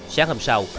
sáng hôm sau